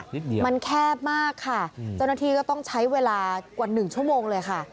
นิดเดียวมันแคบมากค่ะเจ้าหน้าที่ก็ต้องใช้เวลากว่าหนึ่งชั่วโมงเลยค่ะ